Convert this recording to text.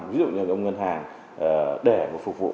ví dụ như ông ngân hàng để phục vụ